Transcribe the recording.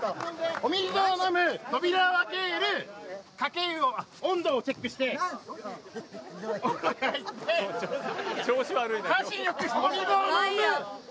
お水を飲む、扉を開ける、かけ湯温度をチェックして調子悪いな今日。